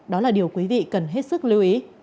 đó là điều quý vị cần hết sức lưu ý